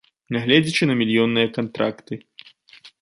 Нягледзячы на мільённыя кантракты.